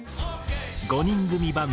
５人組